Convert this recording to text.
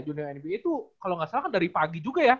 junior nba itu kalau gak salah kan dari pagi juga ya